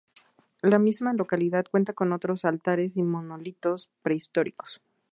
La misma localidad cuenta con otros altares y monolitos prehistóricos.